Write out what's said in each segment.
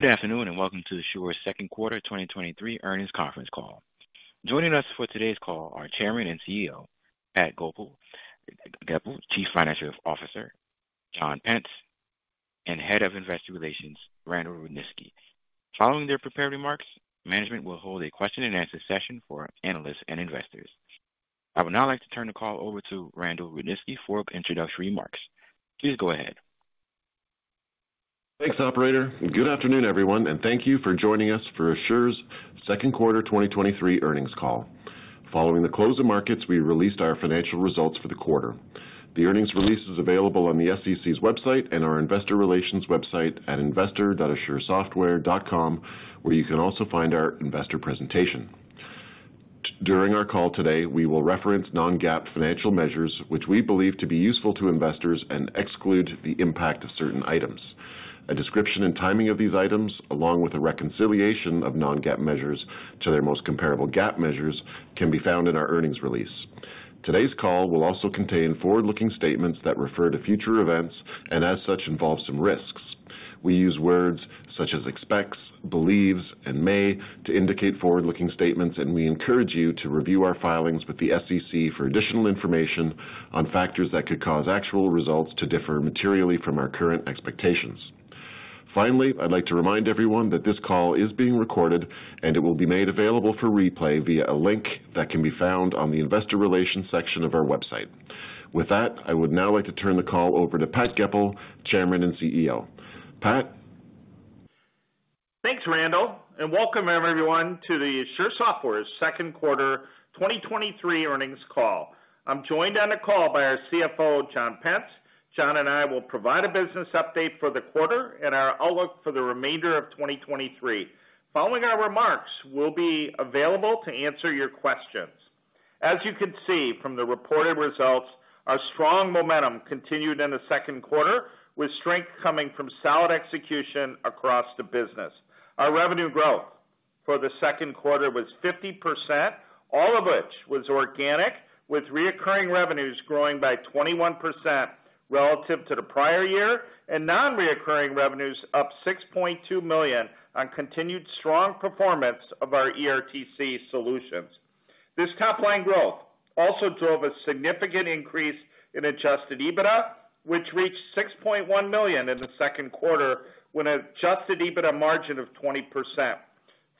Good afternoon, welcome to Asure's second quarter 2023 earnings conference call. Joining us for today's call are Chairman and CEO, Pat Goepel, Goepel, Chief Financial Officer, John Pence, and Head of Investor Relations, Randal Rudniski. Following their prepared remarks, management will hold a question and answer session for analysts and investors. I would now like to turn the call over to Randal Rudniski for introductory remarks. Please go ahead. Thanks, operator. Good afternoon, everyone, and thank you for joining us for Asure's second quarter 2023 earnings call. Following the close of markets, we released our financial results for the quarter. The earnings release is available on the SEC's website and our investor relations website at investor.asuresoftware.com, where you can also find our investor presentation. During our call today, we will reference non-GAAP financial measures, which we believe to be useful to investors and exclude the impact of certain items. A description and timing of these items, along with a reconciliation of non-GAAP measures to their most comparable GAAP measures, can be found in our earnings release. Today's call will also contain forward-looking statements that refer to future events and, as such, involve some risks. We use words such as expects, believes, and may to indicate forward-looking statements, and we encourage you to review our filings with the SEC for additional information on factors that could cause actual results to differ materially from our current expectations. Finally, I'd like to remind everyone that this call is being recorded, and it will be made available for replay via a link that can be found on the Investor Relations section of our website. With that, I would now like to turn the call over to Pat Goepel, Chairman and CEO. Pat? Thanks, Randal, welcome, everyone, to the Asure Software's second quarter 2023 earnings call. I'm joined on the call by our CFO, John Pence. John and I will provide a business update for the quarter and our outlook for the remainder of 2023. Following our remarks, we'll be available to answer your questions. As you can see from the reported results, our strong momentum continued in the second quarter, with strength coming from solid execution across the business. Our revenue growth for the second quarter was 50%, all of which was organic, with recurring revenues growing by 21% relative to the prior year, and non-recurring revenues up $6.2 million on continued strong performance of our ERTC solutions. This top line growth also drove a significant increase in adjusted EBITDA, which reached $6.1 million in the second quarter, with adjusted EBITDA margin of 20%.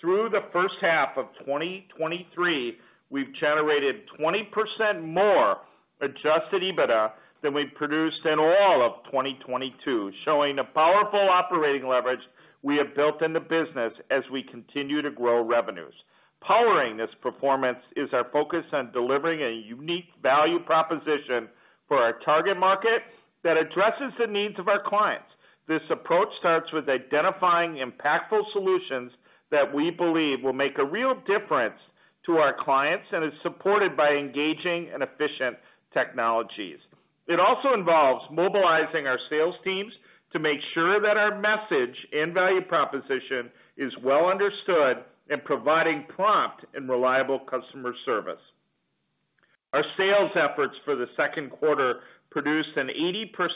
Through the first half of 2023, we've generated 20% more adjusted EBITDA than we produced in all of 2022, showing the powerful operating leverage we have built in the business as we continue to grow revenues. Powering this performance is our focus on delivering a unique value proposition for our target market that addresses the needs of our clients. This approach starts with identifying impactful solutions that we believe will make a real difference to our clients and is supported by engaging and efficient technologies. It also involves mobilizing our sales teams to make sure that our message and value proposition is well understood in providing prompt and reliable customer service. Our sales efforts for the second quarter produced an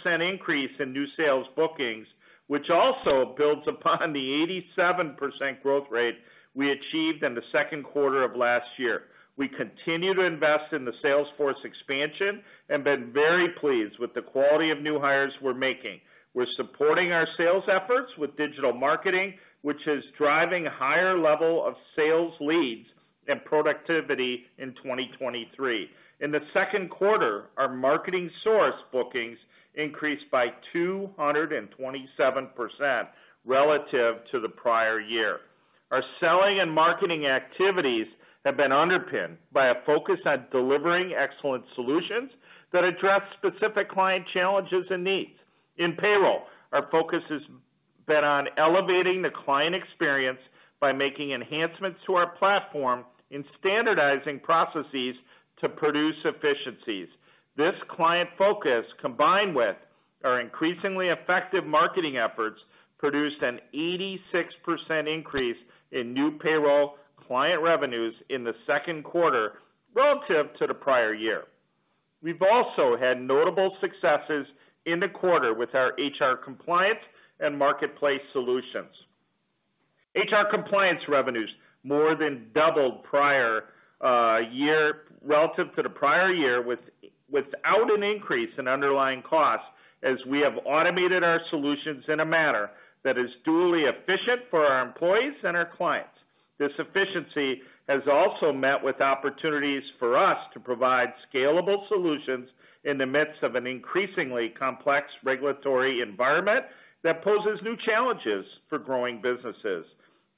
80% increase in new sales bookings, which also builds upon the 87% growth rate we achieved in the second quarter of last year. We continue to invest in the salesforce expansion and been very pleased with the quality of new hires we're making. We're supporting our sales efforts with digital marketing, which is driving a higher level of sales leads and productivity in 2023. In the second quarter, our marketing source bookings increased by 227% relative to the prior year. Our selling and marketing activities have been underpinned by a focus on delivering excellent solutions that address specific client challenges and needs. In payroll, our focus has been on elevating the client experience by making enhancements to our platform in standardizing processes to produce efficiencies. This client focus, combined with our increasingly effective marketing efforts, produced an 86% increase in new payroll client revenues in the second quarter relative to the prior year. We've also had notable successes in the quarter with our HR compliance and marketplace solutions. HR compliance revenues more than doubled prior year relative to the prior year, with, without an increase in underlying costs, as we have automated our solutions in a manner that is duly efficient for our employees and our clients. This efficiency has also met with opportunities for us to provide scalable solutions in the midst of an increasingly complex regulatory environment that poses new challenges for growing businesses.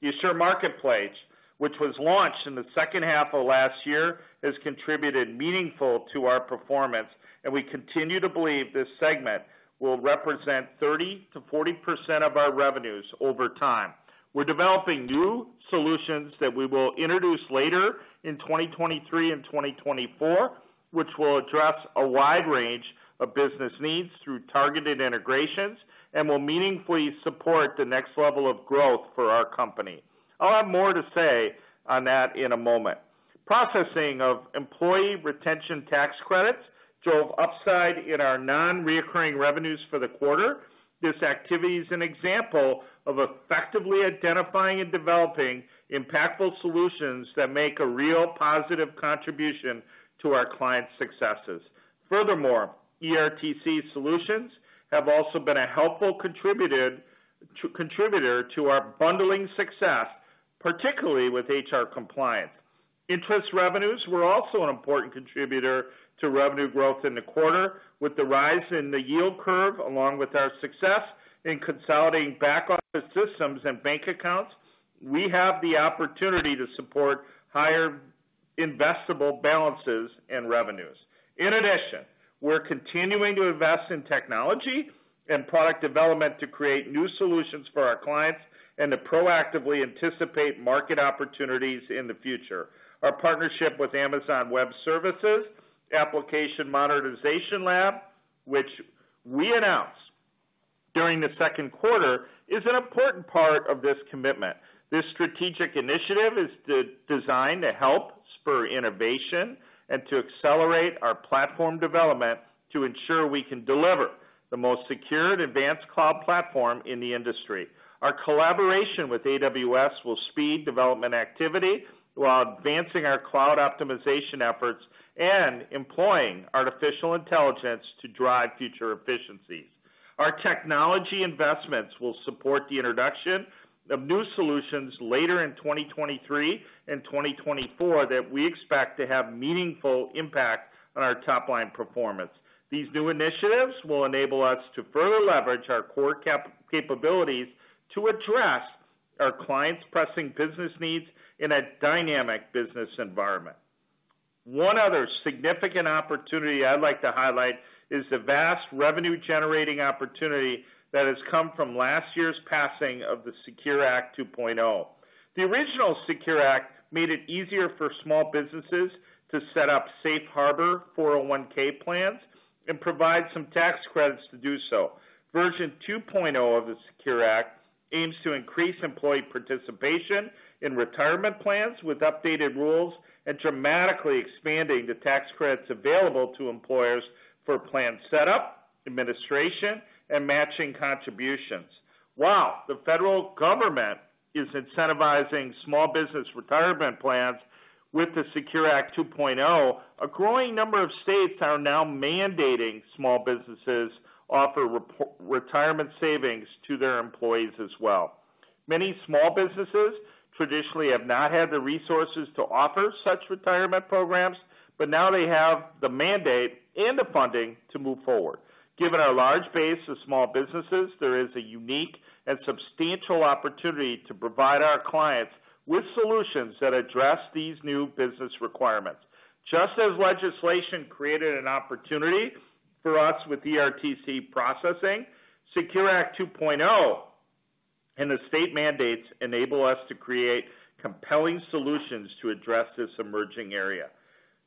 The Asure Marketplace, which was launched in the second half of last year, has contributed meaningful to our performance, and we continue to believe this segment will represent 30%-40% of our revenues over time. We're developing new solutions that we will introduce later in 2023 and 2024, which will address a wide range of business needs through targeted integrations and will meaningfully support the next level of growth for our company. I'll have more to say on that in a moment. Processing of employee retention tax credits drove upside in our non-recurring revenues for the quarter. This activity is an example of effectively identifying and developing impactful solutions that make a real positive contribution to our clients' successes. Furthermore, ERTC solutions have also been a helpful contributor to our bundling success, particularly with HR compliance. Interest revenues were also an important contributor to revenue growth in the quarter. With the rise in the yield curve, along with our success in consolidating back-office systems and bank accounts, we have the opportunity to support higher investable balances and revenues. We're continuing to invest in technology and product development to create new solutions for our clients and to proactively anticipate market opportunities in the future. Our partnership with Amazon Web Services application monetization lab, which we announced during the second quarter, is an important part of this commitment. This strategic initiative is designed to help spur innovation and to accelerate our platform development to ensure we can deliver the most secure and advanced cloud platform in the industry. Our collaboration with AWS will speed development activity while advancing our cloud optimization efforts and employing artificial intelligence to drive future efficiencies. Our technology investments will support the introduction of new solutions later in 2023 and 2024, that we expect to have meaningful impact on our top line performance. These new initiatives will enable us to further leverage our core capabilities to address our clients' pressing business needs in a dynamic business environment. One other significant opportunity I'd like to highlight is the vast revenue-generating opportunity that has come from last year's passing of the SECURE Act 2.0. The original SECURE Act made it easier for small businesses to set up safe harbor 401(k) plans and provide some tax credits to do so. Version 2.0 of the SECURE Act aims to increase employee participation in retirement plans with updated rules and dramatically expanding the tax credits available to employers for plan setup, administration, and matching contributions. While the federal government is incentivizing small business retirement plans with the SECURE Act 2.0, a growing number of states are now mandating small businesses offer retirement savings to their employees as well. Many small businesses traditionally have not had the resources to offer such retirement programs, but now they have the mandate and the funding to move forward. Given our large base of small businesses, there is a unique and substantial opportunity to provide our clients with solutions that address these new business requirements. Just as legislation created an opportunity for us with ERTC processing, SECURE Act 2.0 and the state mandates enable us to create compelling solutions to address this emerging area.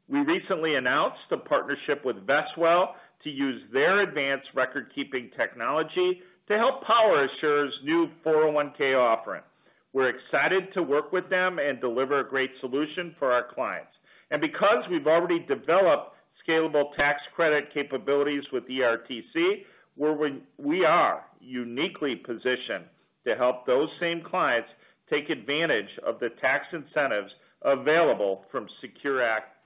We recently announced a partnership with Vestwell to use their advanced record-keeping technology to help power Asure's new 401(k) offering. We're excited to work with them and deliver a great solution for our clients. Because we've already developed scalable tax credit capabilities with ERTC, where we are uniquely positioned to help those same clients take advantage of the tax incentives available from SECURE Act 2.0.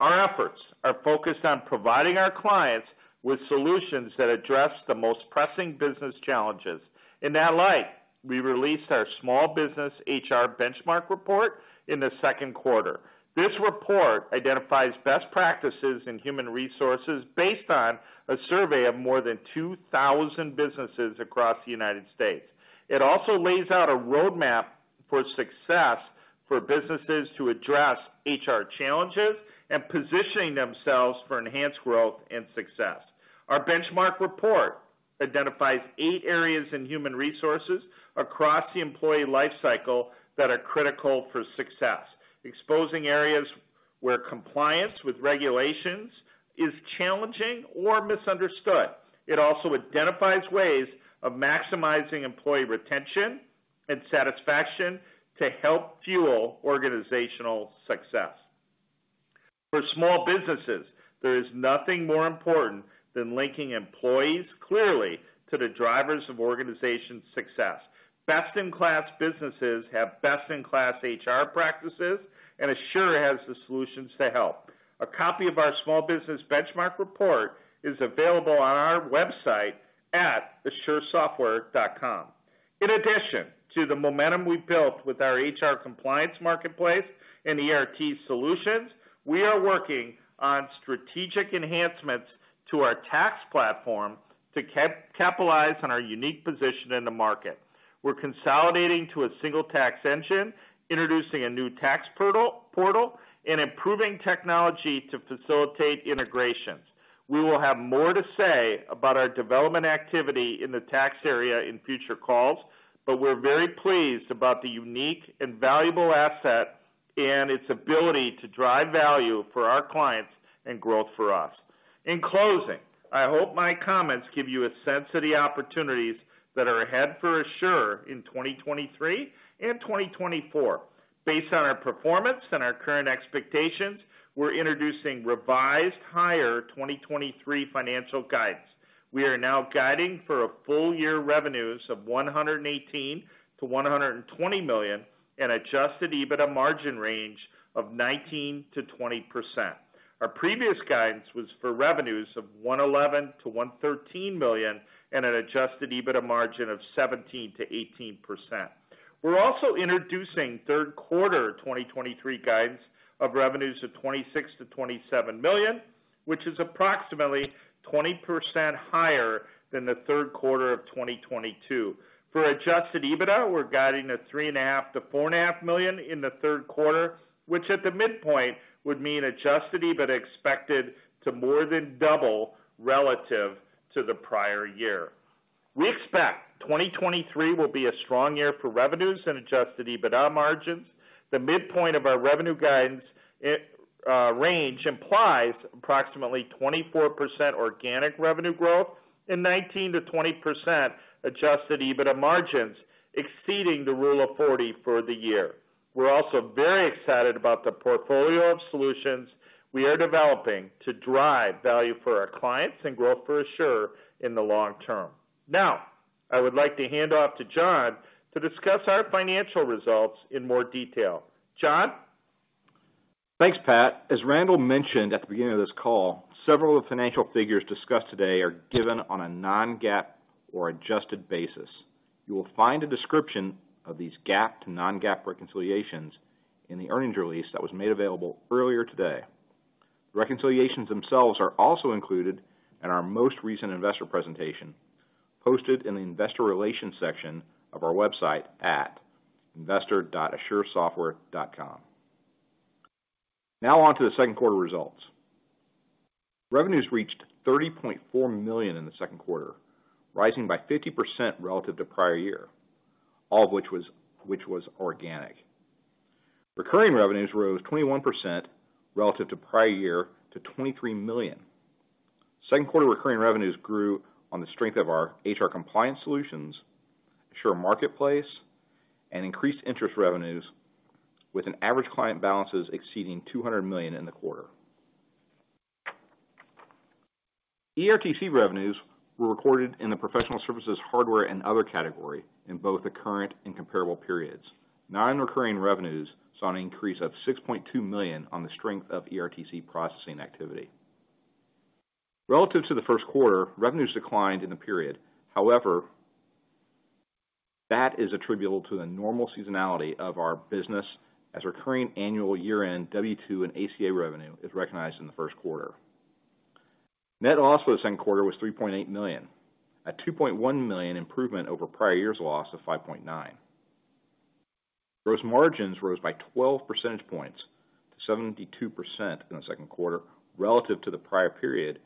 Our efforts are focused on providing our clients with solutions that address the most pressing business challenges. In that light, we released our Small Business HR Benchmark Report in the second quarter. This report identifies best practices in human resources based on a survey of more than 2,000 businesses across the United States. It also lays out a roadmap for success for businesses to address HR challenges and positioning themselves for enhanced growth and success. Our benchmark report identifies eight areas in human resources across the employee life cycle that are critical for success, exposing areas where compliance with regulations is challenging or misunderstood. It also identifies ways of maximizing employee retention and satisfaction to help fuel organizational success. For small businesses, there is nothing more important than linking employees clearly to the drivers of organization success. Best-in-class businesses have best-in-class HR practices, and Asure has the solutions to help. A copy of our Small Business Benchmark Report is available on our website at asuresoftware.com. In addition to the momentum we've built with our HR compliance marketplace and ERTC solutions, we are working on strategic enhancements to our tax platform to capitalize on our unique position in the market. We're consolidating to a single tax engine, introducing a new tax portal, and improving technology to facilitate integrations. We will have more to say about our development activity in the tax area in future calls, but we're very pleased about the unique and valuable asset and its ability to drive value for our clients and growth for us. In closing, I hope my comments give you a sense of the opportunities that are ahead for Asure in 2023 and 2024. Based on our performance and our current expectations, we're introducing revised higher 2023 financial guidance. We are now guiding for a full-year revenues of $118 million-$120 million, an adjusted EBITDA margin range of 19%-20%. Our previous guidance was for revenues of $111 million-$113 million, and an adjusted EBITDA margin of 17%-18%. We're also introducing third quarter 2023 guidance of revenues of $26 million-$27 million, which is approximately 20% higher than the third quarter of 2022. For adjusted EBITDA, we're guiding the $3.5 million-$4.5 million in the third quarter, which at the midpoint, would mean adjusted EBITDA expected to more than double relative to the prior year. We expect 2023 will be a strong year for revenues and adjusted EBITDA margins. The midpoint of our revenue guidance range implies approximately 24% organic revenue growth and 19%-20% adjusted EBITDA margins, exceeding the Rule of 40 for the year. We're also very excited about the portfolio of solutions we are developing to drive value for our clients and growth for Asure in the long term. I would like to hand off to John to discuss our financial results in more detail. John? Thanks, Pat. As Randal mentioned at the beginning of this call, several of the financial figures discussed today are given on a non-GAAP or adjusted basis. You will find a description of these GAAP to non-GAAP reconciliations in the earnings release that was made available earlier today. Reconciliations themselves are also included in our most recent investor presentation, posted in the investor relations section of our website at investor.asuresoftware.com. On to the second quarter results. Revenues reached $30.4 million in the second quarter, rising by 50% relative to prior year, all of which was organic. Recurring revenues rose 21% relative to prior year to $23 million. Second quarter recurring revenues grew on the strength of our HR compliance solutions, Asure Marketplace, and increased interest revenues with an average client balances exceeding $200 million in the quarter. ERTC revenues were recorded in the professional services, hardware, and other category in both the current and comparable periods. Non-recurring revenues saw an increase of $6.2 million on the strength of ERTC processing activity. Relative to the first quarter, revenues declined in the period. That is attributable to the normal seasonality of our business as recurring annual year-end W-2 and ACA revenue is recognized in the first quarter. Net loss for the second quarter was $3.8 million, a $2.1 million improvement over prior year's loss of $5.9 million. Gross margins rose by 12 percentage points to 72% in the second quarter relative to the prior period,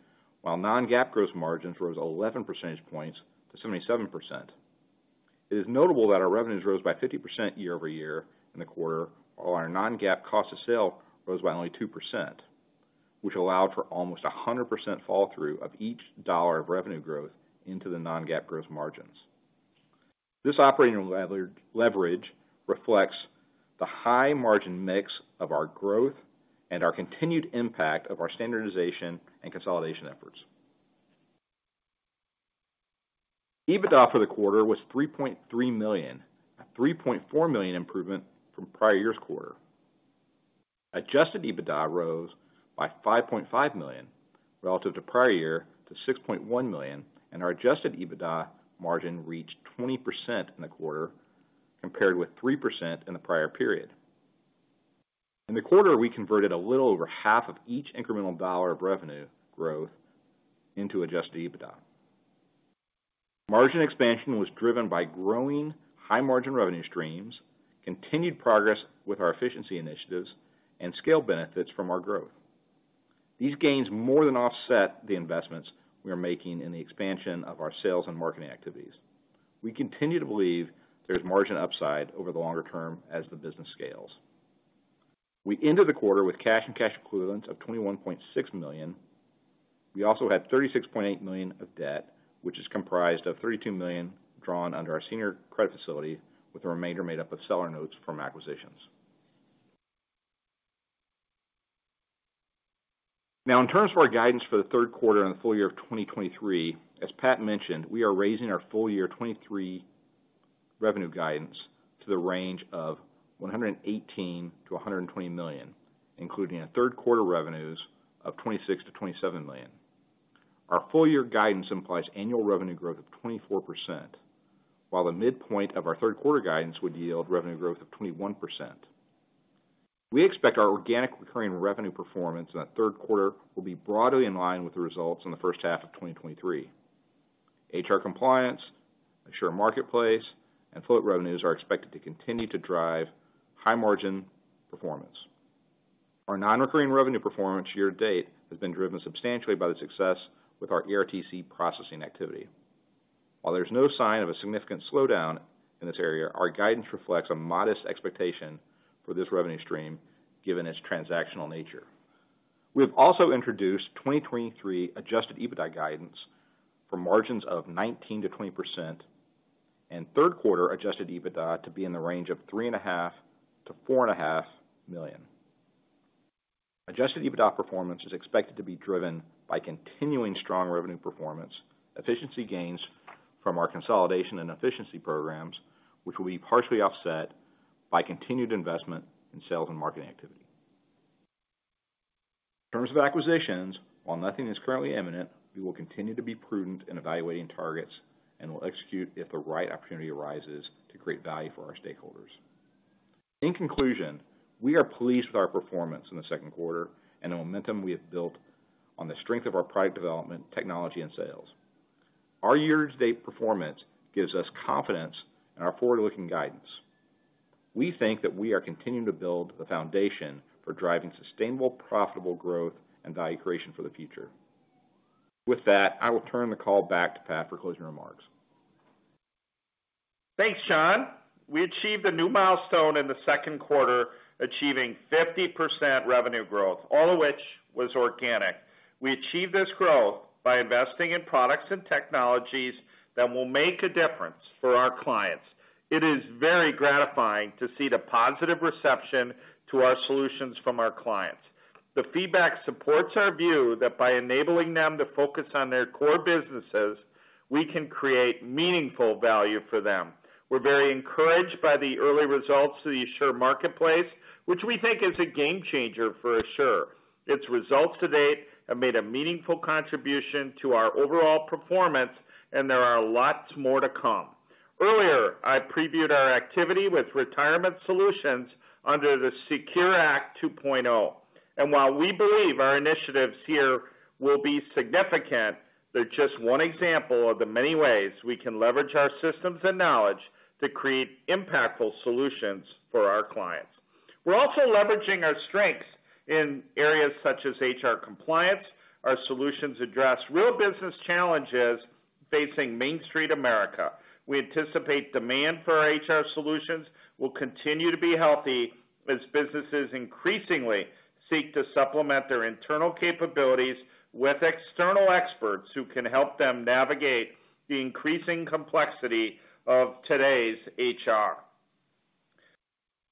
while non-GAAP gross margins rose 11 percentage points to 77%. It is notable that our revenues rose by 50% year-over-year in the quarter, while our non-GAAP cost of sale rose by only 2%, which allowed for almost 100% fall through of each $1 of revenue growth into the non-GAAP gross margins. This operating leverage reflects the high margin mix of our growth and our continued impact of our standardization and consolidation efforts. EBITDA for the quarter was $3.3 million, a $3.4 million improvement from prior year's quarter. Adjusted EBITDA rose by $5.5 million, relative to prior year to $6.1 million, and our adjusted EBITDA margin reached 20% in the quarter, compared with 3% in the prior period. In the quarter, we converted a little over half of each incremental $1 of revenue growth into adjusted EBITDA. Margin expansion was driven by growing high margin revenue streams, continued progress with our efficiency initiatives, and scale benefits from our growth. These gains more than offset the investments we are making in the expansion of our sales and marketing activities. We continue to believe there's margin upside over the longer term as the business scales. We ended the quarter with cash and cash equivalents of $21.6 million. We also had $36.8 million of debt, which is comprised of $32 million drawn under our senior credit facility, with the remainder made up of seller notes from acquisitions. Now, in terms of our guidance for the third quarter and the full-year of 2023, as Pat mentioned, we are raising our full-year 2023 revenue guidance to the range of $118 million-$120 million, including a third quarter revenues of $26 million-$27 million. Our full-year guidance implies annual revenue growth of 24%, while the midpoint of our third quarter guidance would yield revenue growth of 21%. We expect our organic recurring revenue performance in the third quarter will be broadly in line with the results in the first half of 2023. HR compliance, Asure Marketplace, and float revenues are expected to continue to drive high margin performance.... Our non-recurring revenue performance year-to-date has been driven substantially by the success with our ERTC processing activity. While there's no sign of a significant slowdown in this area, our guidance reflects a modest expectation for this revenue stream, given its transactional nature. We have also introduced 2023 adjusted EBITDA guidance for margins of 19%-20%, and third quarter adjusted EBITDA to be in the range of $3.5 million-$4.5 million. Adjusted EBITDA performance is expected to be driven by continuing strong revenue performance, efficiency gains from our consolidation and efficiency programs, which will be partially offset by continued investment in sales and marketing activity. In terms of acquisitions, while nothing is currently imminent, we will continue to be prudent in evaluating targets and will execute if the right opportunity arises to create value for our stakeholders. In conclusion, we are pleased with our performance in the second quarter and the momentum we have built on the strength of our product development, technology, and sales. Our year-to-date performance gives us confidence in our forward-looking guidance. We think that we are continuing to build the foundation for driving sustainable, profitable growth and value creation for the future. With that, I will turn the call back to Pat for closing remarks. Thanks, John. We achieved a new milestone in the second quarter, achieving 50% revenue growth, all of which was organic. We achieved this growth by investing in products and technologies that will make a difference for our clients. It is very gratifying to see the positive reception to our solutions from our clients. The feedback supports our view that by enabling them to focus on their core businesses, we can create meaningful value for them. We're very encouraged by the early results of the Asure Marketplace, which we think is a game changer for Asure. Its results to date have made a meaningful contribution to our overall performance, and there are lots more to come. Earlier, I previewed our activity with retirement solutions under the SECURE Act 2.0. While we believe our initiatives here will be significant, they're just one example of the many ways we can leverage our systems and knowledge to create impactful solutions for our clients. We're also leveraging our strengths in areas such as HR compliance. Our solutions address real business challenges facing Main Street America. We anticipate demand for our HR solutions will continue to be healthy as businesses increasingly seek to supplement their internal capabilities with external experts who can help them navigate the increasing complexity of today's HR.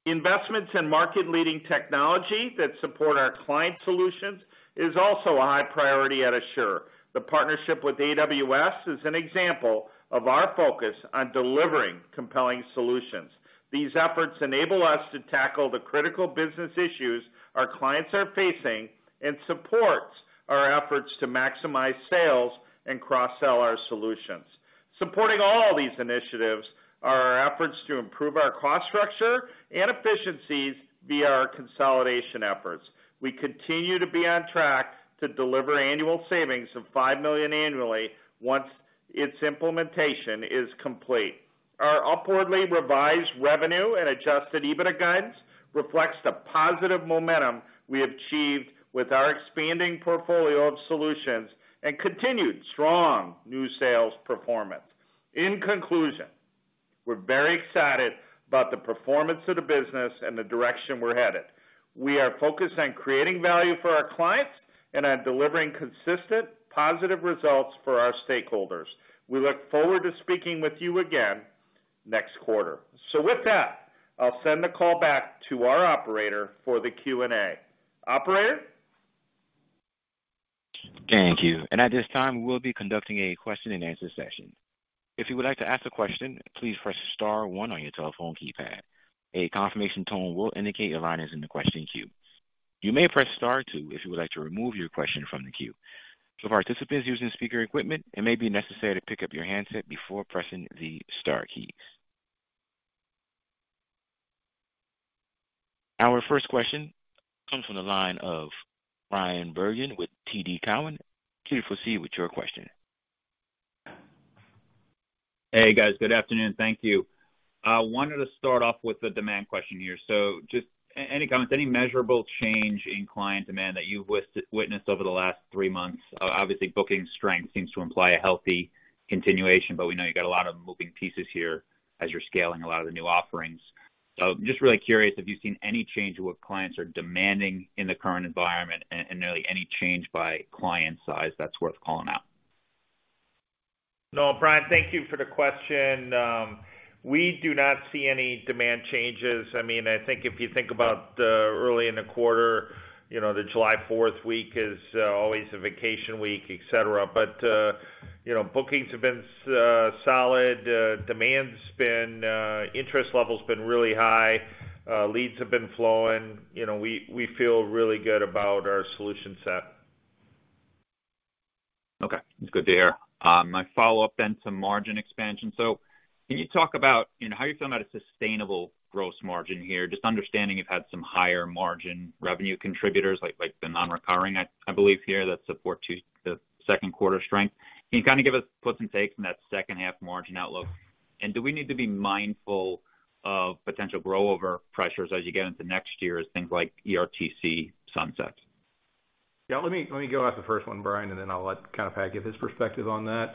Investments in market-leading technology that support our client solutions is also a high priority at Asure. The partnership with AWS is an example of our focus on delivering compelling solutions. These efforts enable us to tackle the critical business issues our clients are facing and supports our efforts to maximize sales and cross-sell our solutions. Supporting all these initiatives are our efforts to improve our cost structure and efficiencies via our consolidation efforts. We continue to be on track to deliver annual savings of $5 million annually once its implementation is complete. Our upwardly revised revenue and adjusted EBITDA guidance reflects the positive momentum we achieved with our expanding portfolio of solutions and continued strong new sales performance. In conclusion, we're very excited about the performance of the business and the direction we're headed. We are focused on creating value for our clients and on delivering consistent, positive results for our stakeholders. We look forward to speaking with you again next quarter. With that, I'll send the call back to our operator for the Q&A. Operator? Thank you. At this time, we'll be conducting a question-and-answer session. If you would like to ask a question, please press star one on your telephone keypad. A confirmation tone will indicate your line is in the question queue. You may press star two if you would like to remove your question from the queue. For participants using speaker equipment, it may be necessary to pick up your handset before pressing the star keys. Our first question comes from the line of Bryan Bergin with TD Cowen. Please proceed with your question. Hey, guys. Good afternoon. Thank you. Wanted to start off with a demand question here. Just any comments, any measurable change in client demand that you've witnessed over the last three months? Obviously, booking strength seems to imply a healthy continuation, but we know you've got a lot of moving pieces here as you're scaling a lot of the new offerings. I'm just really curious, have you seen any change in what clients are demanding in the current environment and, and nearly any change by client size that's worth calling out? No, Brian, thank you for the question. We do not see any demand changes. I mean, I think if you think about early in the quarter, you know, the July 4th week is always a vacation week, et cetera. You know, bookings have been solid, demand's been interest levels been really high, leads have been flowing. You know, we, we feel really good about our solution set. Okay, good to hear. My follow-up then to margin expansion. Can you talk about, you know, how you feel about a sustainable gross margin here? Just understanding you've had some higher margin revenue contributors, like, like the non-recurring, I, I believe, here, that support to the second quarter strength. Can you kind of give us puts and takes in that second half margin outlook? Do we need to be mindful of potential grow over pressures as you get into next year as things like ERTC sunsets? Yeah, let me, let me go at the first one, Brian, and then I'll let kind of Pat give his perspective on that.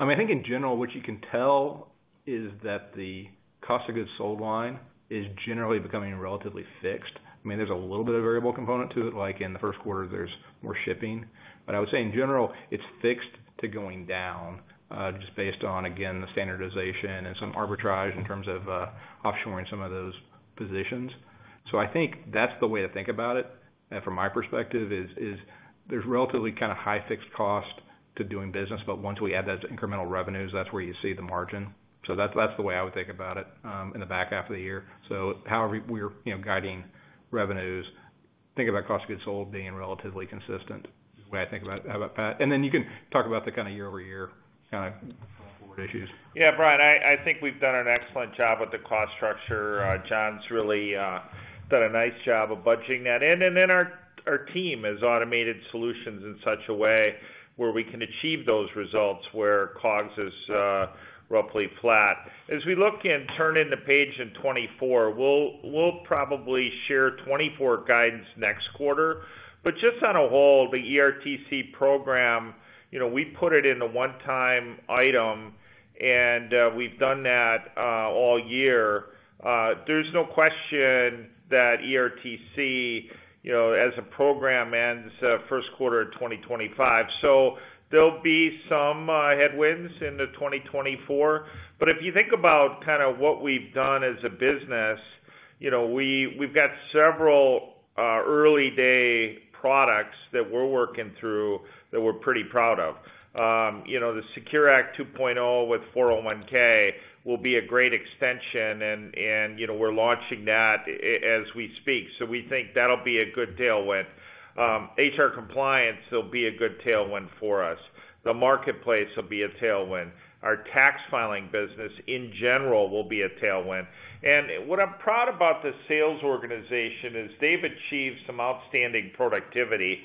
I mean, I think in general, what you can tell is that the cost of goods sold line is generally becoming relatively fixed. I mean, there's a little bit of variable component to it, like in the first quarter, there's more shipping. I would say in general, it's fixed to going down, just based on, again, the standardization and some arbitrage in terms of offshoring some of those positions. I think that's the way to think about it. From my perspective, is, is there's relatively kind of high fixed cost to doing business, but once we add that to incremental revenues, that's where you see the margin. That's that's the way I would think about it in the back half of the year. However we're, you know, guiding revenues, think about cost of goods sold being relatively consistent, the way I think about that. You can talk about the kind of year-over-year kind of issues. Brian, I, I think we've done an excellent job with the cost structure. John's really done a nice job of budgeting that in. Then our, our team has automated solutions in such a way where we can achieve those results, where COGS is roughly flat. As we look and turn into page in 2024, we'll, we'll probably share 2024 guidance next quarter. Just on a whole, the ERTC program, you know, we put it in a one-time item, and we've done that all year. There's no question that ERTC, you know, as a program, ends first quarter of 2025. There'll be some headwinds in the 2024. If you think about kind of what we've done as a business, you know, we, we've got several early day products that we're working through that we're pretty proud of. You know, the SECURE Act 2.0, with 401(k) will be a great extension and, and, you know, we're launching that as we speak. We think that'll be a good tailwind. HR compliance will be a good tailwind for us. The marketplace will be a tailwind. Our tax filing business, in general, will be a tailwind. What I'm proud about the sales organization is they've achieved some outstanding productivity.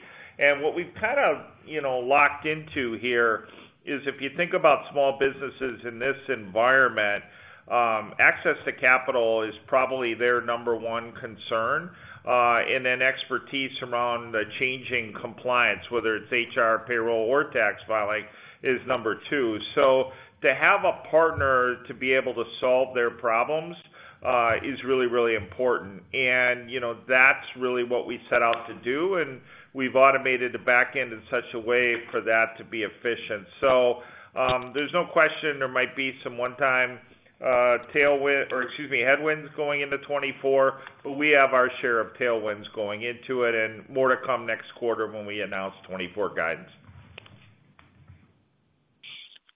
What we've kind of, you know, locked into here is, if you think about small businesses in this environment, access to capital is probably their number one concern, and then expertise around the changing compliance, whether it's HR, payroll, or tax filing, is number two. To have a partner to be able to solve their problems, is really, really important. You know, that's really what we set out to do, and we've automated the back end in such a way for that to be efficient. There's no question there might be some one-time, tailwind, or excuse me, headwinds going into 2024, but we have our share of tailwinds going into it, and more to come next quarter when we announce 2024 guidance.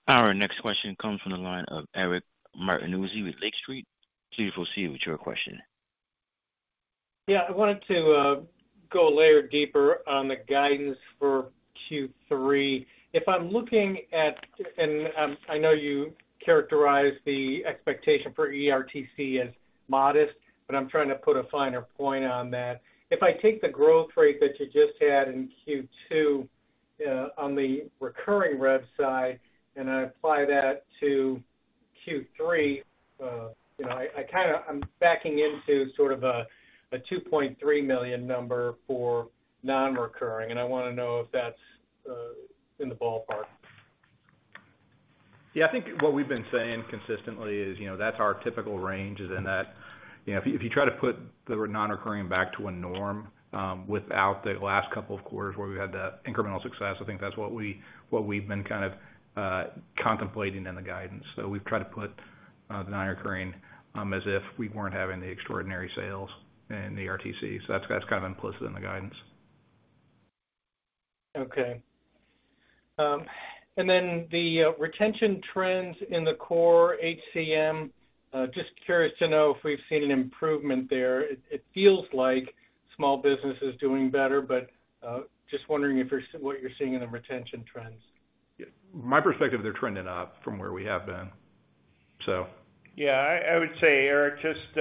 Our next question comes from the line of Eric Martinuzzi with Lake Street. Please proceed with your question. Yeah, I wanted to go a layer deeper on the guidance for Q3. I know you characterize the expectation for ERTC as modest, but I'm trying to put a finer point on that. If I take the growth rate that you just had in Q2, on the recurring rev side, and I apply that to Q3, you know, I kind of... I'm backing into sort of a $2.3 million number for non-recurring, and I want to know if that's in the ballpark. Yeah, I think what we've been saying consistently is, you know, that's our typical range is in that. You know, if, if you try to put the non-recurring back to a norm, without the last couple of quarters where we had that incremental success, I think that's what we, what we've been kind of, contemplating in the guidance. We've tried to put the non-recurring as if we weren't having the extraordinary sales in the ERTC. That's that's kind of implicit in the guidance. Okay. Then the retention trends in the core HCM, just curious to know if we've seen an improvement there. It, it feels like small business is doing better, but, just wondering what you're seeing in the retention trends. Yeah. My perspective, they're trending up from where we have been. Yeah, I, I would say, Eric, just,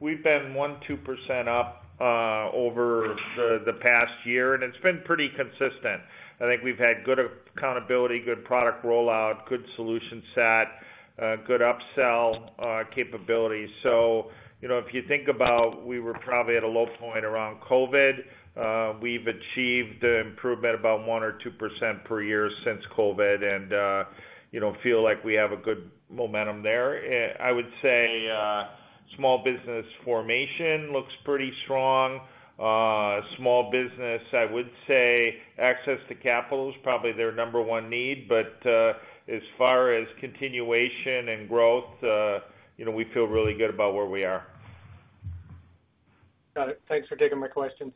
we've been 1%, 2% up over the past year, and it's been pretty consistent. I think we've had good accountability, good product rollout, good solution set, good upsell capabilities. You know, if you think about we were probably at a low point around COVID, we've achieved improvement about 1% or 2% per year since COVID, and, you know, feel like we have a good momentum there. I would say, small business formation looks pretty strong. Small business, I would say, access to capital is probably their number one need, but, as far as continuation and growth, you know, we feel really good about where we are. Got it. Thanks for taking my questions.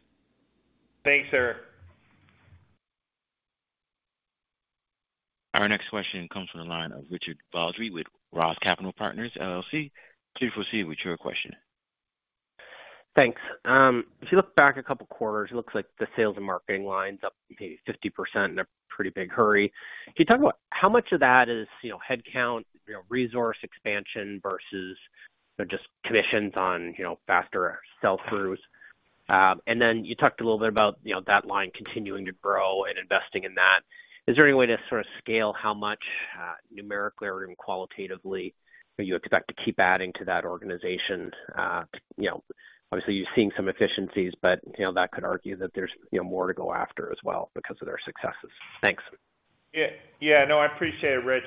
Thanks, Eric. Our next question comes from the line of Richard Baldry with Roth Capital Partners, LLC. Please proceed with your question. Thanks. If you look back a couple quarters, it looks like the sales and marketing line's up 50% in a pretty big hurry. Can you talk about how much of that is, you know, headcount, you know, resource expansion versus, you know, just commissions on, you know, faster sell-throughs? And then you talked a little bit about, you know, that line continuing to grow and investing in that. Is there any way to sort of scale how much, numerically or even qualitatively, do you expect to keep adding to that organization? You know, obviously, you're seeing some efficiencies, but, you know, that could argue that there's, you know, more to go after as well because of their successes. Thanks. Yeah. Yeah, no, I appreciate it, Rich.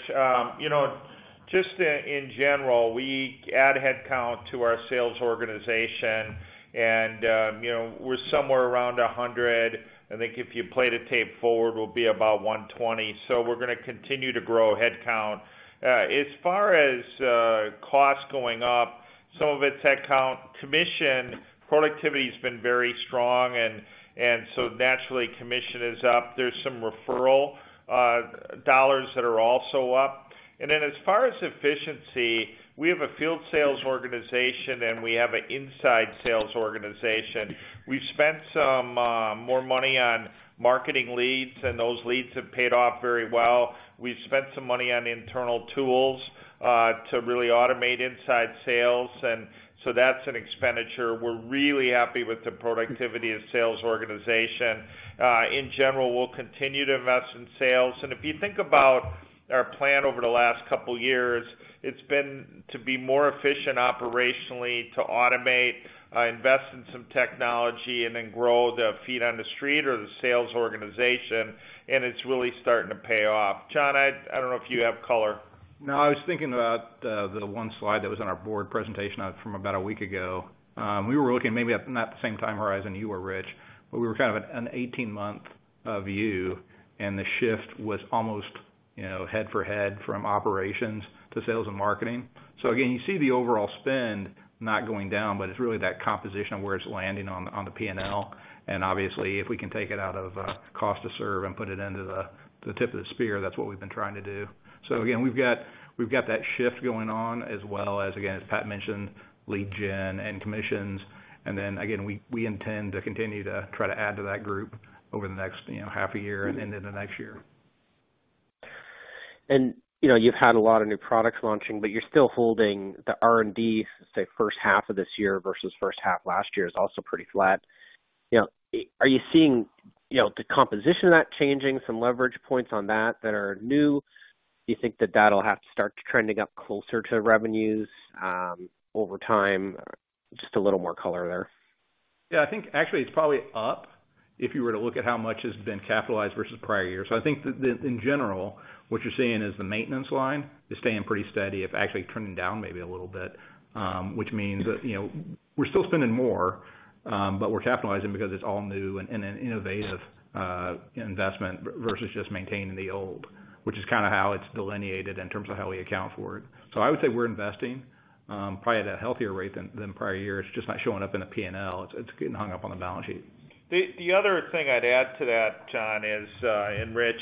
You know, just in, in general, we add headcount to our sales organization and, you know, we're somewhere around 100. I think if you play the tape forward, we'll be about 120. We're gonna continue to grow headcount. As far as costs going up, some of it's headcount. Commission productivity has been very strong, and so naturally, commission is up. There's some referral dollars that are also up. As far as efficiency, we have a field sales organization, and we have an inside sales organization. We've spent some more money on marketing leads, and those leads have paid off very well. We've spent some money on internal tools to really automate inside sales, and so that's an expenditure. We're really happy with the productivity of sales organization. In general, we'll continue to invest in sales. If you think about our plan over the last couple of years, it's been to be more efficient operationally, to automate, invest in some technology, and then grow the feet on the street or the sales organization, and it's really starting to pay off. John, I, I don't know if you have color. No, I was thinking about the one slide that was on our board presentation from about a week ago. We were looking maybe at not the same time horizon you were, Rich, but we were kind of at an 18-month view, and the shift was almost, you know, head for head from operations to sales and marketing. Again, you see the overall spend not going down, but it's really that composition of where it's landing on the P&L. Obviously, if we can take it out of cost to serve and put it into the tip of the spear, that's what we've been trying to do. Again, we've got, we've got that shift going on as well as, again, as Pat mentioned, lead gen and commissions. Then again, we, we intend to continue to try to add to that group over the next, you know, half a year and into the next year. You know, you've had a lot of new products launching, but you're still holding the R&D, say, first half of this year versus first half last year is also pretty flat. You know, are you seeing, you know, the composition of that changing, some leverage points on that that are new? Do you think that that'll have to start trending up closer to revenues, over time? Just a little more color there. Yeah, I think actually it's probably up if you were to look at how much has been capitalized versus prior years. I think that the, in general, what you're seeing is the maintenance line is staying pretty steady. It's actually trending down maybe a little bit, which means that, you know, we're still spending more, but we're capitalizing because it's all new and an innovative investment versus just maintaining the old, which is kind of how it's delineated in terms of how we account for it. I would say we're investing, probably at a healthier rate than, than prior years, just not showing up in a P&L. It's, it's getting hung up on the balance sheet. The, the other thing I'd add to that, John, is, and Rich,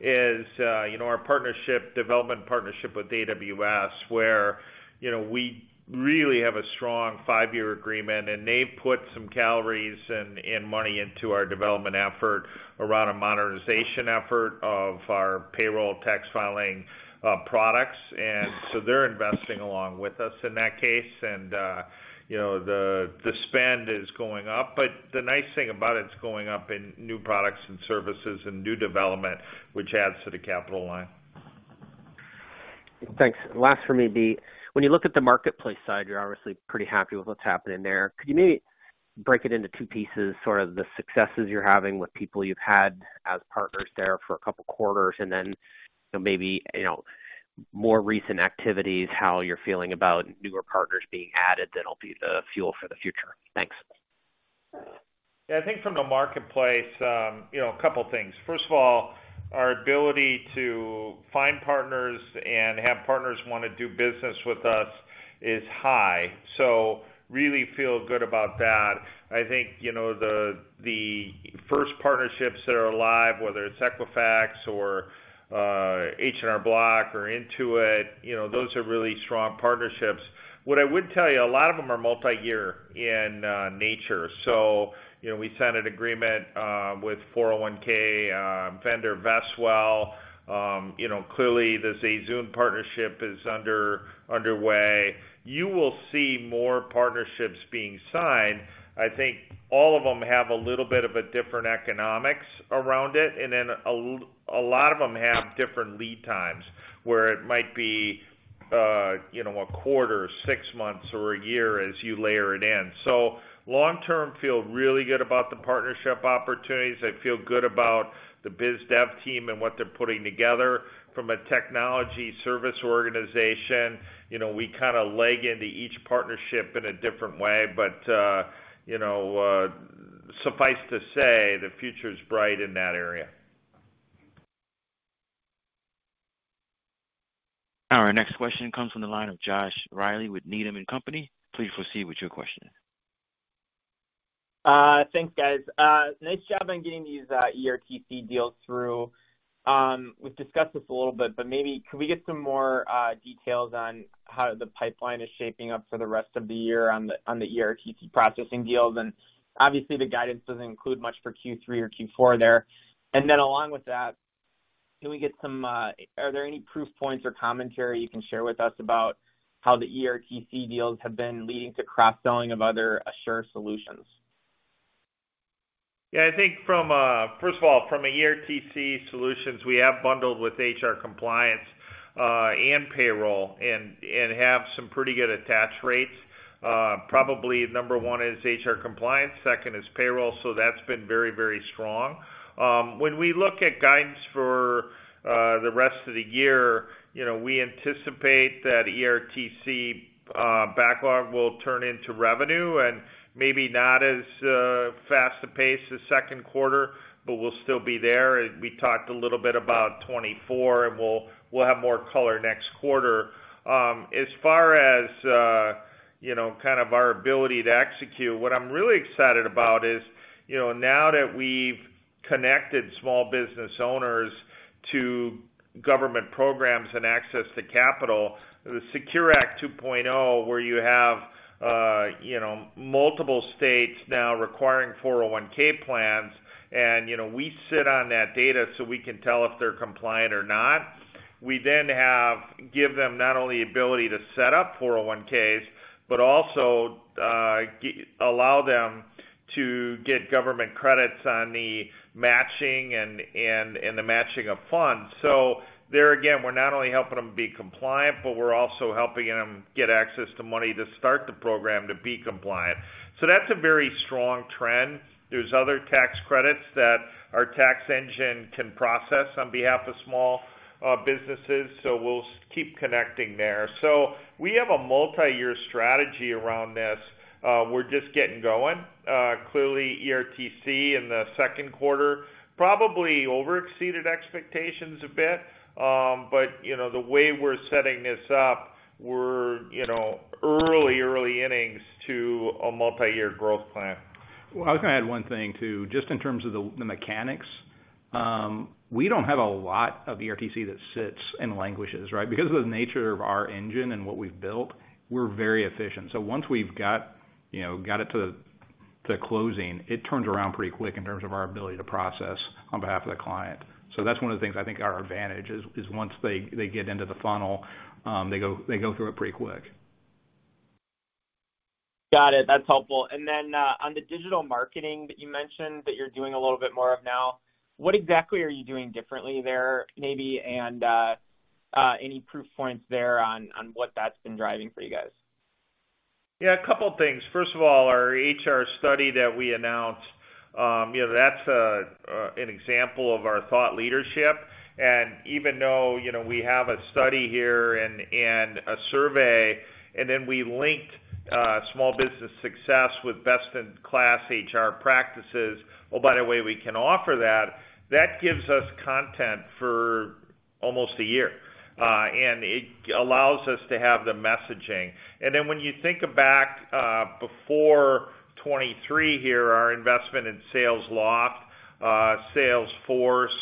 is, you know, our partnership, development partnership with AWS, where, you know, we really have a strong five-year agreement, and they've put some calories and, and money into our development effort around a monetization effort of our payroll tax filing, products. They're investing along with us in that case. You know, the, the spend is going up, but the nice thing about it, it's going up in new products and services and new development, which adds to the capital line. Thanks. Last for me, B. When you look at the Marketplace side, you're obviously pretty happy with what's happening there. Could you maybe break it into two pieces, sort of the successes you're having with people you've had as partners there for a couple of quarters, and then, you know, maybe, you know, more recent activities, how you're feeling about newer partners being added that'll be the fuel for the future? Thanks. Yeah, I think from the marketplace, you know, a couple of things. First of all, our ability to find partners and have partners wanna do business with us is high. Really feel good about that. I think, you know, the, the first partnerships that are alive, whether it's Equifax or H&R Block or Intuit, you know, those are really strong partnerships. What I would tell you, a lot of them are multi-year in nature. You know, we signed an agreement with 401(k) vendor Vestwell. You know, clearly, the ZayZoon partnership is underway. You will see more partnerships being signed. I think all of them have a little bit of a different economics around it, and then a lot of them have different lead times, where it might be, you know, a quarter, six months, or a year as you layer it in. Long term, feel really good about the partnership opportunities. I feel good about the biz dev team and what they're putting together from a technology service organization. You know, we kind of leg into each partnership in a different way, but, you know, suffice to say, the future is bright in that area. All right, next question comes from the line of Josh Reilly with Needham & Company. Please proceed with your question. Thanks, guys. Nice job on getting these ERTC deals through. We've discussed this a little bit, but maybe could we get some more details on how the pipeline is shaping up for the rest of the year on the ERTC processing deals? Obviously, the guidance doesn't include much for Q3 or Q4 there. Then along with that, can we get some... Are there any proof points or commentary you can share with us about how the ERTC deals have been leading to cross-selling of other Asure solutions? Yeah, I think from, first of all, from a ERTC solutions, we have bundled with HR compliance, and payroll, and, and have some pretty good attach rates. Probably number one is HR compliance, second is payroll. That's been very, very strong. When we look at guidance for the rest of the year, you know, we anticipate that ERTC backlog will turn into revenue, and maybe not as fast a pace as second quarter, but we'll still be there. We talked a little bit about 2024, and we'll, we'll have more color next quarter. As far as, you know, kind of our ability to execute, what I'm really excited about is, you know, now that we've connected small business owners to government programs and access to capital, the SECURE Act 2.0, where you have, you know, multiple states now requiring 401 plans, and, you know, we sit on that data, so we can tell if they're compliant or not. We then have give them not only the ability to set up 401s, but also allow them to get government credits on the matching and, and, and the matching of funds. There again, we're not only helping them be compliant, but we're also helping them get access to money to start the program to be compliant. That's a very strong trend. There's other tax credits that our tax engine can process on behalf of small businesses, so we'll keep connecting there. We have a multi-year strategy around this. We're just getting going. Clearly, ERTC in the second quarter, probably over exceeded expectations a bit. You know, the way we're setting this up, we're, you know, early, early innings to a multi-year growth plan. Well, I was gonna add one thing, too, just in terms of the, the mechanics. We don't have a lot of ERTC that sits and languishes, right? Because of the nature of our engine and what we've built, we're very efficient. Once we've got, you know, got it to, to closing, it turns around pretty quick in terms of our ability to process on behalf of the client. That's one of the things, I think, our advantage is, is once they, they get into the funnel, they go, they go through it pretty quick. Got it. That's helpful. Then, on the digital marketing that you mentioned, that you're doing a little bit more of now, what exactly are you doing differently there, maybe, and any proof points there on what that's been driving for you guys? Yeah, a couple things. First of all, our HR study that we announced, you know, that's an example of our thought leadership. Even though, you know, we have a study here and, and a survey, and then we linked small business success with best-in-class HR practices, oh, by the way, we can offer that, that gives us content for almost a year. It allows us to have the messaging. When you think back before 2023, here, our investment in Salesloft, Salesforce,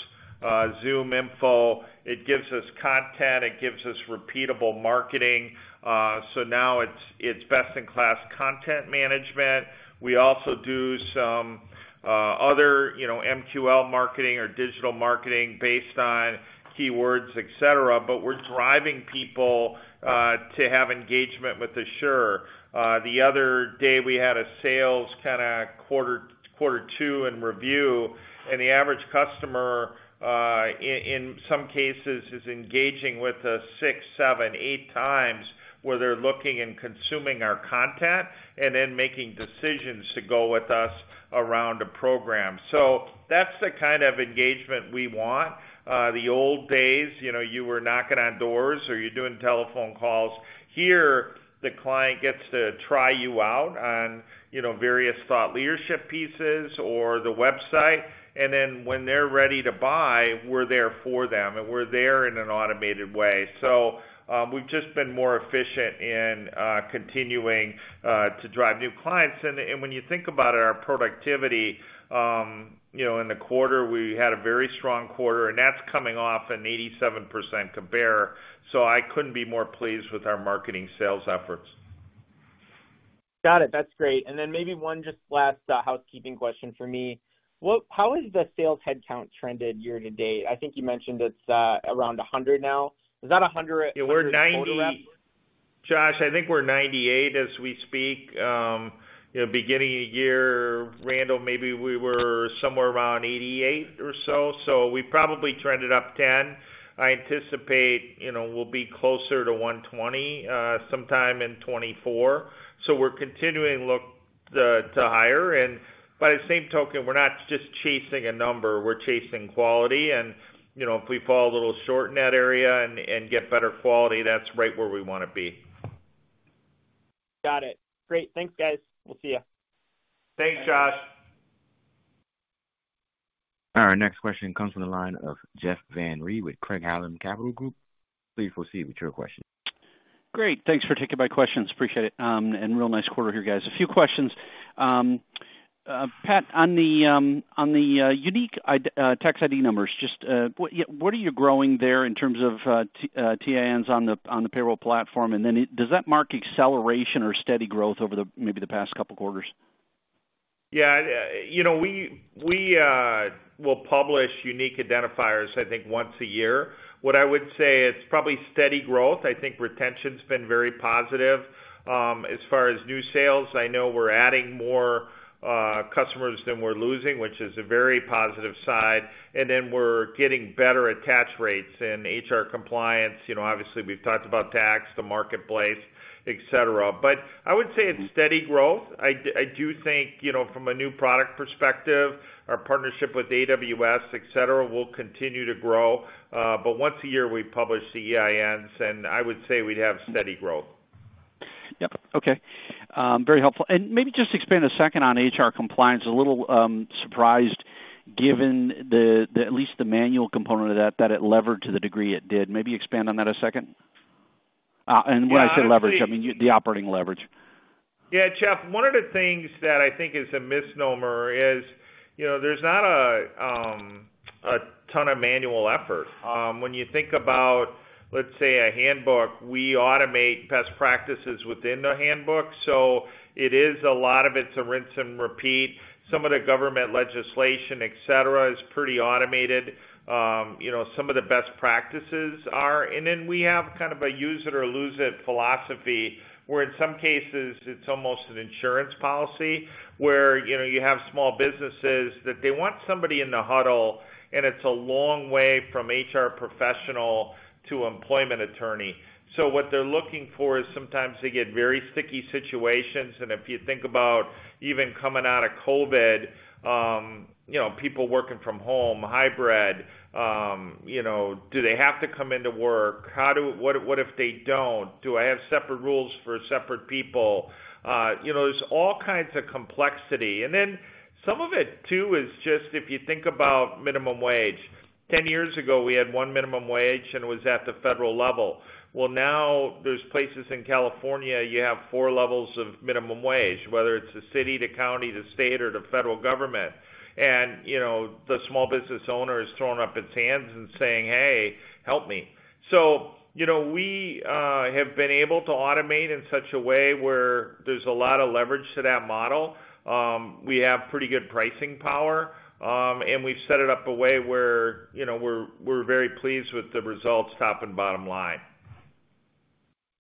ZoomInfo, it gives us content, it gives us repeatable marketing. Now it's, it's best-in-class content management. We also do some other, you know, MQL marketing or digital marketing based on keywords, et cetera, but we're driving people to have engagement with Asure. The other day, we had a sales kind of quarter two and review, and the average customer, in some cases, is engaging with us six, seven, eight times, where they're looking and consuming our content, and then making decisions to go with us around a program. That's the kind of engagement we want. The old days, you know, you were knocking on doors or you're doing telephone calls. Here, the client gets to try you out on, you know, various thought leadership pieces or the website, and then when they're ready to buy, we're there for them, and we're there in an automated way. We've just been more efficient in continuing to drive new clients. When you think about our productivity, you know, in the quarter, we had a very strong quarter, and that's coming off an 87% compare, so I couldn't be more pleased with our marketing sales efforts. Got it. That's great. Then maybe one just last, housekeeping question for me: How has the sales headcount trended year to date? I think you mentioned it's around 100 now. Is that a 100, 140 left? Yeah, we're 90... Josh, I think we're 98 as we speak. You know, beginning of year, Randal, maybe we were somewhere around 88 or so, we probably trended up 10. I anticipate, you know, we'll be closer to 120, sometime in 2024. We're continuing to look to hire. By the same token, we're not just chasing a number, we're chasing quality. You know, if we fall a little short in that area and, and get better quality, that's right where we wanna be. Got it. Great. Thanks, guys. We'll see you. Thanks, Josh. Our next question comes from the line of Jeff Van Rhee with Craig-Hallum Capital Group. Please proceed with your question. Great. Thanks for taking my questions. Appreciate it. Real nice quarter here, guys. A few questions. Pat, on the on the tax ID numbers, just what, yeah, what are you growing there in terms of TINs on the payroll platform? Then does that mark acceleration or steady growth over the, maybe the past couple quarters?... Yeah, you know, we, we, will publish unique identifiers, I think, once a year. What I would say, it's probably steady growth. I think retention's been very positive. As far as new sales, I know we're adding more customers than we're losing, which is a very positive side, and then we're getting better attach rates in HR compliance. You know, obviously, we've talked about tax, the marketplace, et cetera. But I would say it's steady growth. I do think, you know, from a new product perspective, our partnership with AWS, et cetera, will continue to grow. But once a year, we publish the EINs, and I would say we'd have steady growth. Yep. Okay. Very helpful. And maybe just expand a second on HR compliance. A little surprised, given the, the at least the manual component of that, that it levered to the degree it did. Maybe expand on that a second? And when I say leverage- Yeah, I think. I mean the operating leverage. Yeah, Jeff, one of the things that I think is a misnomer is, you know, there's not a, a ton of manual effort. When you think about, let's say, a handbook, we automate best practices within the handbook, so it is a lot of it's a rinse and repeat. Some of the government legislation, et cetera, is pretty automated. You know, some of the best practices are. And then we have kind of a use it or lose it philosophy, where in some cases it's almost an insurance policy, where, you know, you have small businesses that they want somebody in the huddle, and it's a long way from HR professional to employment attorney. What they're looking for is sometimes they get very sticky situations, and if you think about even coming out of COVID, you know, people working from home, hybrid, you know, do they have to come into work? What if they don't? Do I have separate rules for separate people? You know, there's all kinds of complexity. Then some of it, too, is just if you think about minimum wage. 10 years ago, we had one minimum wage, and it was at the federal level. Now there's places in California, you have four levels of minimum wage, whether it's the city, the county, the state or the federal government. You know, the small business owner is throwing up its hands and saying, "Hey, help me." You know, we have been able to automate in such a way where there's a lot of leverage to that model. We have pretty good pricing power, and we've set it up a way where, you know, we're, we're very pleased with the results, top and bottom line.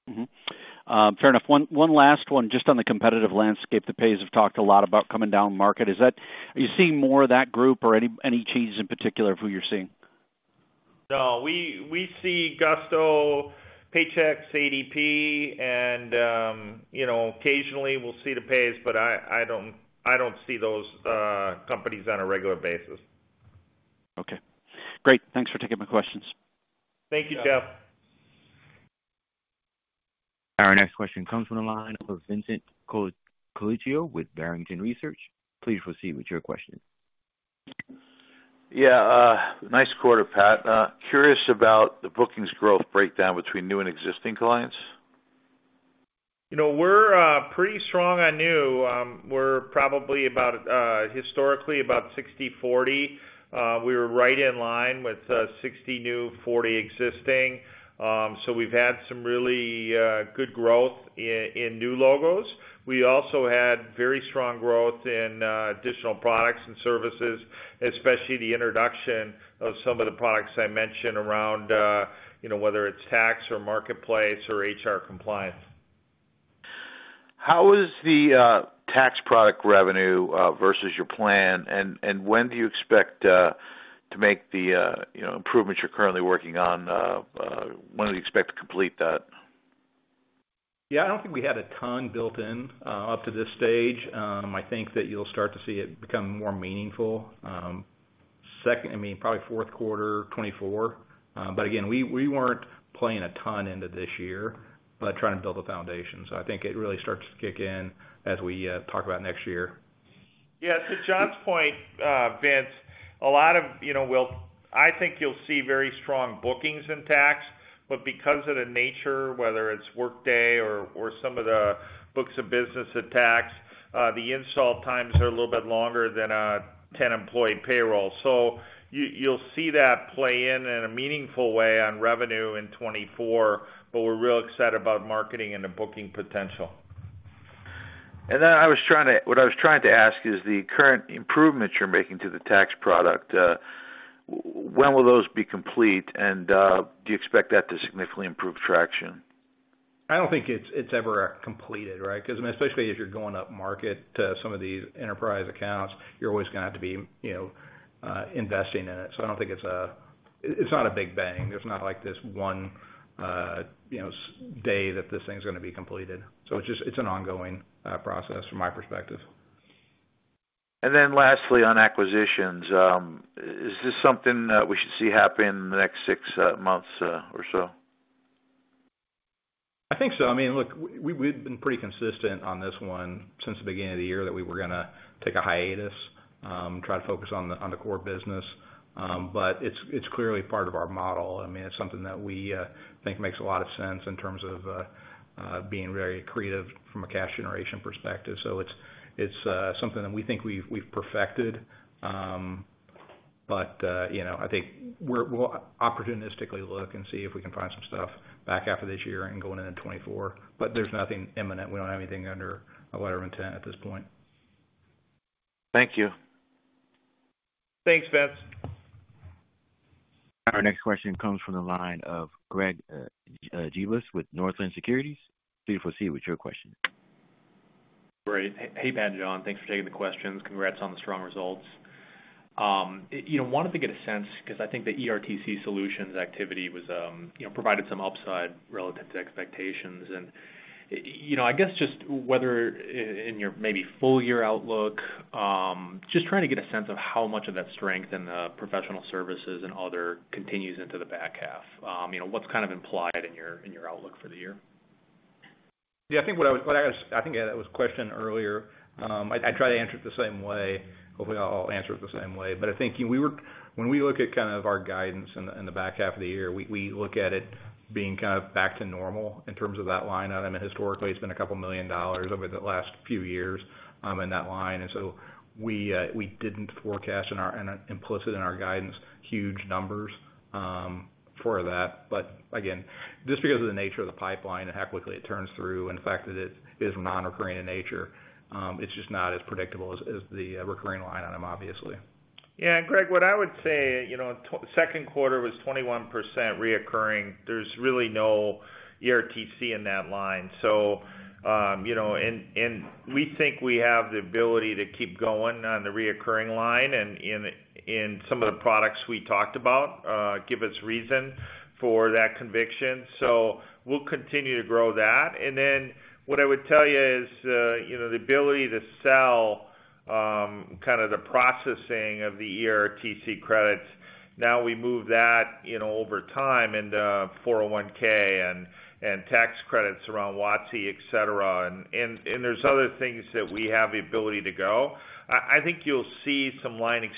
Mm-hmm. Fair enough. One, one last one, just on the competitive landscape. The PAYXs have talked a lot about coming down market. Are you seeing more of that group or any, any changes in particular of who you're seeing? No, we, we see Gusto, Paychex, ADP, and, you know, occasionally we'll see the PAYXs, but I, I don't, I don't see those companies on a regular basis. Okay, great. Thanks for taking my questions. Thank you, Jeff. Our next question comes from the line of Vincent Colicchio with Barrington Research. Please proceed with your question. Yeah, nice quarter, Pat. Curious about the bookings growth breakdown between new and existing clients? You know, we're pretty strong on new. We're probably about, historically, about 60/40. We were right in line with 60 new, 40 existing. We've had some really good growth in new logos. We also had very strong growth in additional products and services, especially the introduction of some of the products I mentioned around, you know, whether it's tax or Marketplace or HR compliance. How is the tax product revenue versus your plan? When do you expect to make the, you know, improvements you're currently working on, when do you expect to complete that? Yeah, I don't think we had a ton built in up to this stage. I think that you'll start to see it become more meaningful, second, I mean, probably fourth quarter 2024. But again, we, we weren't playing a ton into this year, but trying to build a foundation. I think it really starts to kick in as we talk about next year. Yeah, to John's point, Vince, a lot of, you know, we'll... I think you'll see very strong bookings in tax, but because of the nature, whether it's Workday or, or some of the books of business at tax, the install times are a little bit longer than a 10-employee payroll. You, you'll see that play in in a meaningful way on revenue in 2024, but we're real excited about marketing and the booking potential. what I was trying to ask is, the current improvements you're making to the tax product, when will those be complete? Do you expect that to significantly improve traction? I don't think it's, it's ever completed, right? Especially if you're going upmarket to some of these enterprise accounts, you're always gonna have to be, you know, investing in it. I don't think it's, it's not a big bang. There's not like this one, you know, day that this thing's gonna be completed. It's just, it's an ongoing process from my perspective. Then lastly, on acquisitions, is this something that we should see happen in the next six months or so? I think so. I mean, look, we've been pretty consistent on this one since the beginning of the year, that we were gonna take a hiatus, try to focus on the, on the core business. It's, it's clearly part of our model. I mean, it's something that we think makes a lot of sense in terms of being very creative from a cash generation perspective. It's, it's something that we think we've, we've perfected. You know, I think we're, we'll opportunistically look and see if we can find some stuff back half of this year and going into 2024. There's nothing imminent. We don't have anything under a letter of intent at this point. Thank you. Thanks, Vince. Our next question comes from the line of Greg Gibas, with Northland Securities. Please proceed with your question. Great. Hey, Pat and John, thanks for taking the questions. Congrats on the strong results. You know, wanted to get a sense, 'cause I think the ERTC Solutions activity was, you know, provided some upside relative to expectations. You know, I guess just whether in your maybe full year outlook, just trying to get a sense of how much of that strength in the professional services and other continues into the back half. You know, what's kind of implied in your, in your outlook for the year? Yeah, I think what I was... I think that was a question earlier. I, I'd try to answer it the same way. Hopefully, I'll, I'll answer it the same way. I think, you know, we were when we look at kind of our guidance in the, in the back half of the year, we, we look at it being kind of back to normal in terms of that line item. Historically, it's been a couple million dollars over the last few years, in that line. We, we didn't forecast in our implicit in our guidance, huge numbers, for that. Again, just because of the nature of the pipeline and how quickly it turns through, and the fact that it is non-recurring in nature, it's just not as predictable as, as the recurring line item, obviously. Yeah, Greg Gibas, what I would say, you know, second quarter was 21% recurring. There's really no ERTC in that line. You know, we think we have the ability to keep going on the recurring line, and some of the products we talked about give us reason for that conviction. We'll continue to grow that. Then what I would tell you is, you know, the ability to sell kind of the processing of the ERTC credits, now we move that, you know, over time into 401(k) and tax credits around WOTC, et cetera. There's other things that we have the ability to go. I think you'll see some line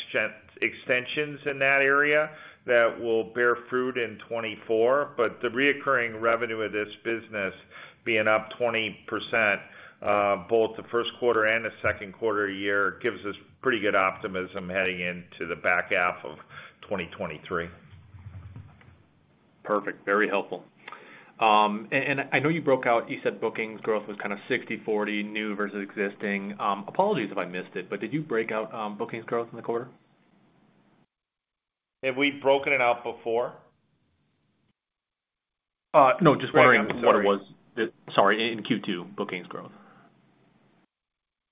extensions in that area that will bear fruit in 2024. The recurring revenue of this business being up 20%, both the first quarter and the second quarter year, gives us pretty good optimism heading into the back half of 2023. Perfect. Very helpful. I know you broke out-- you said bookings growth was kind of 60/40, new versus existing. Apologies if I missed it, but did you break out, bookings growth in the quarter? Have we broken it out before? No, just wondering- Sorry. -what it was. Sorry, in Q2, bookings growth.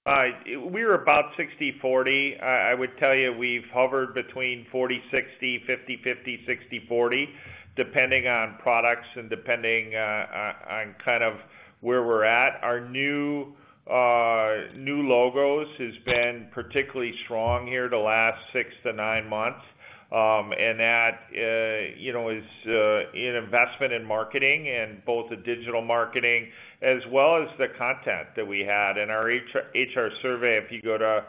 We're about 60/40. I would tell you, we've hovered between 40/60, 50/50, 60/40, depending on products and depending on kind of where we're at. Our new logos has been particularly strong here the last six to nine months. That, you know, is an investment in marketing and both the digital marketing as well as the content that we had. In our HR survey, if you go to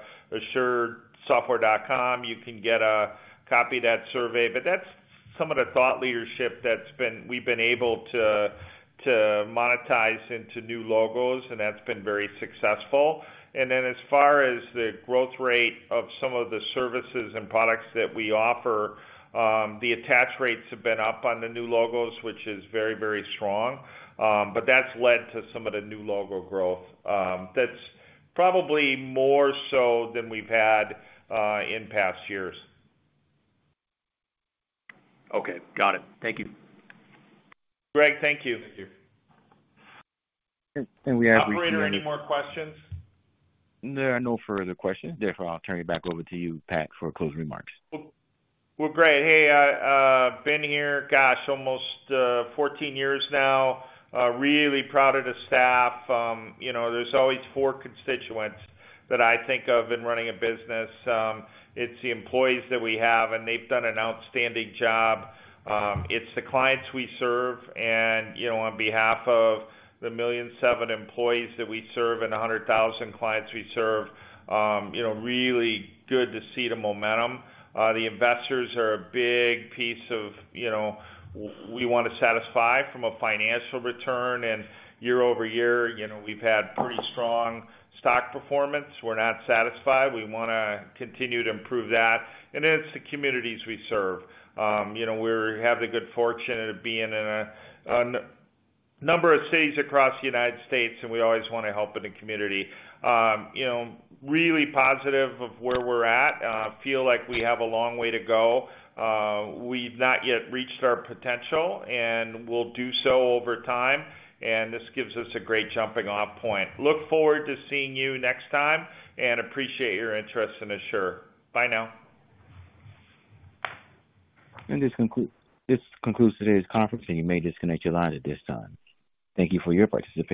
asuresoftware.com, you can get a copy of that survey. That's some of the thought leadership we've been able to monetize into new logos, and that's been very successful. As far as the growth rate of some of the services and products that we offer, the attach rates have been up on the new logos, which is very, very strong. That's led to some of the new logo growth. That's probably more so than we've had in past years. Okay, got it. Thank you. Greg, thank you. Thank you. And we have- Operator, any more questions? There are no further questions. I'll turn it back over to you, Pat, for closing remarks. Well, well, great. Hey, I been here, gosh, almost 14 years now. Really proud of the staff. You know, there's always four constituents that I think of in running a business. It's the employees that we have, and they've done an outstanding job. It's the clients we serve, and, you know, on behalf of the 1.7 million employees that we serve and 100,000 clients we serve, you know, really good to see the momentum. The investors are a big piece of, you know, w- we want to satisfy from a financial return, and year-over-year, you know, we've had pretty strong stock performance. We're not satisfied. We wanna continue to improve that. It's the communities we serve. You know, we're having the good fortune of being in a number of cities across the United States, and we always wanna help in the community. You know, really positive of where we're at. Feel like we have a long way to go. We've not yet reached our potential, and we'll do so over time, and this gives us a great jumping-off point. Look forward to seeing you next time, and appreciate your interest in Asure. Bye now. This concludes today's conference, and you may disconnect your line at this time. Thank you for your participation.